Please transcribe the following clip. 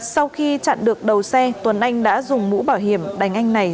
sau khi chặn được đầu xe tuấn anh đã dùng mũ bảo hiểm đánh anh này